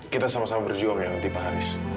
kita sama sama berjuang ya nanti pak anies